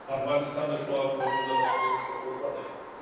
افغانستان د ښو او خوږو زردالو یو ښه کوربه دی.